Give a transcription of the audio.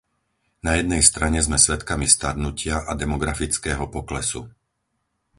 Na jednej strane sme svedkami starnutia a demografického poklesu.